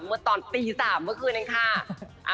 เมื่อตอนตี๓เมื่อคืนเองค่ะ